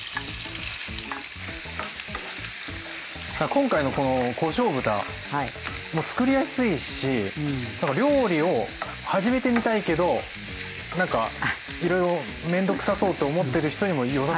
今回のこのこしょう豚もつくりやすいし何か料理を始めてみたいけど何かいろいろ面倒くさそうって思ってる人にもよさそうですよね。